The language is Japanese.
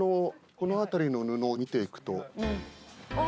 この辺りの布を見ていくと。